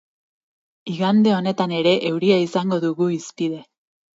Igande honetan ere euria izango dugu hizpide.